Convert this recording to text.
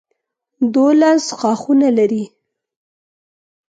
دولس ښاخونه لري.